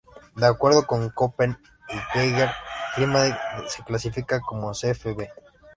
De acuerdo con Köppen y Geiger clima se clasifica como Cfb.